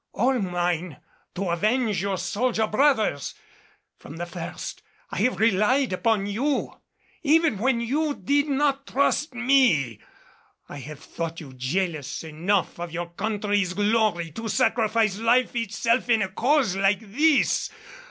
All mine to avenge your soldier brothers! From the first I have relied upon you, even when you did not trust me. I have thought you jealous enough of your country's glory to sacrifice life itself in a cause like this!